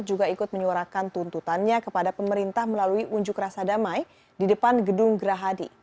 juga ikut menyuarakan tuntutannya kepada pemerintah melalui unjuk rasa damai di depan gedung gerahadi